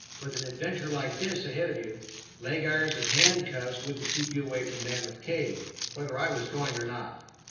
With an adventure like this ahead of you, leg irons and handcuffs wouldn't keep you away from Mammoth Cave, whether I was going or not."